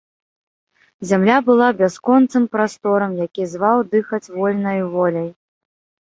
Зямля была бясконцым прасторам, які зваў дыхаць вольнаю воляй.